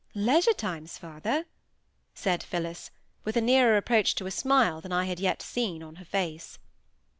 "Leisure times, father?" said Phillis, with a nearer approach to a smile than I had yet seen on her face.